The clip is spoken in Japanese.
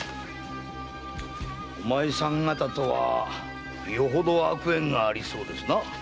お前さん方とはよほど悪縁がありそうですな。